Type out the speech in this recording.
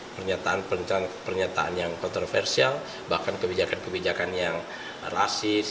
pernyataan pernyataan yang kontroversial bahkan kebijakan kebijakan yang rasis